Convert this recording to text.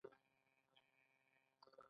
خو د ښځینه وو مزد د نارینه وو په پرتله کم دی